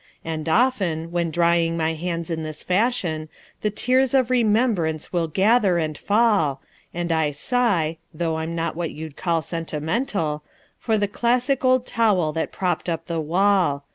And often, when drying my hands in this fashion, The tears of remembrance will gather and fall, And I sigh (though I'm not what you'd call sentimental) For the classic old towel that propped up the wall.